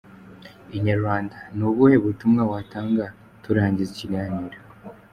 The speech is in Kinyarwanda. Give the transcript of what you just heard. Inyarwanda: ni ubuhe butumwa watanga turangiza ikiganiro.